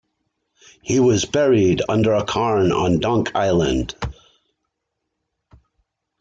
He was buried under a cairn on Dunk Island.